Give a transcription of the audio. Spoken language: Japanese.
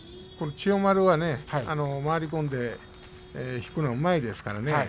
千代丸は引くのがうまいですからね。